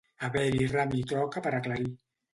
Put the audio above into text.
Haver-hi ram i troca per aclarir.